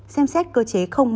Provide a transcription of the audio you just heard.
xem xét cơ chế không mặc